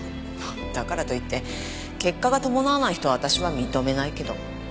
だからといって結果が伴わない人を私は認めないけど。